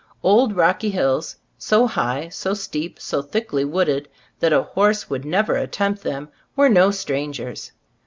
Old "Rocky Hills," so high, so steep, so thickly wooded that a horse would never at tempt them, were no strangers.